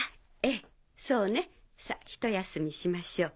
ええそうねさっひと休みしましょう。